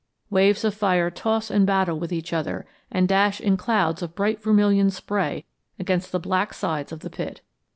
Waves of fire toss and battle with each other and dash in clouds of bright vermilion spray against the black sides of the pit.